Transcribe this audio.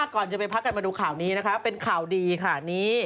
ก่อนจะไปพักกันมาดูข่าวนี้นะคะเป็นข่าวดีค่ะ